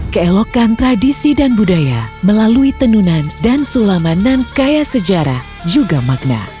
keelokan tradisi dan budaya melalui tenunan dan sulaman dan kaya sejarah juga makna